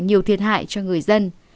nhiều thiệt hại cho người dân